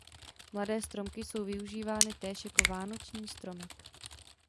Mladé stromky jsou využívány též jako vánoční stromek.